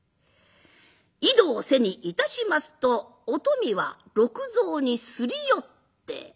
井戸を背にいたしますとお富は六蔵に擦り寄って。